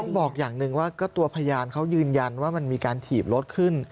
บอกอย่างหนึ่งว่าก็ตัวพยานเขายืนยันว่ามันมีการถีบรถขึ้น